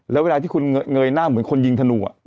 แล้วเวลาที่คุณเงยหน้าเหมือนคนยิงธนู